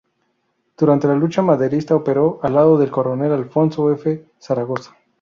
Durante la lucha maderista operó al lado del coronel Alfonso F. Zaragoza.